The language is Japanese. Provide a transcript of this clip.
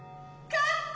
勝った！